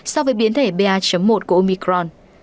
so với biến thể pa một của omicron